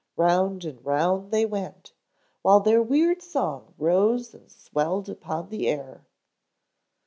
Round and round they went, while their weird song rose and swelled upon the air.